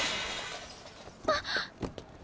あっ！